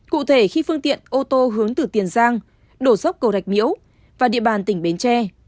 cụ thể khi phương tiện ô tô hướng từ tiền giang đổ dốc cầu rạch miễu và địa bàn tỉnh bến tre